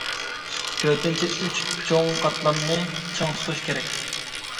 تۆتىنچى، ئۈچ چوڭ قاتلامنى چىڭ تۇتۇش كېرەك.